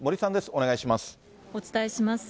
お願いします。